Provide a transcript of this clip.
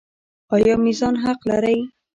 آیا میزان حق دی؟